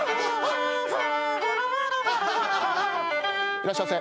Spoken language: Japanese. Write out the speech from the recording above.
いらっしゃいませ。